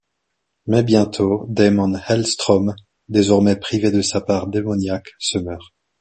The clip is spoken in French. Mais bientôt, Daimon Hellstrom, désormais privé de sa part démoniaque, se meurt.